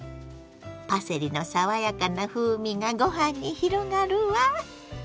パセリの爽やかな風味がご飯に広がるわ。